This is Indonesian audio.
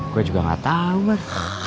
gue juga gak tau man